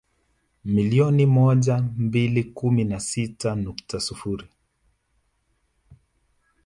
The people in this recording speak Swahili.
Milioni moja mbili kumi na sita nukta sifuri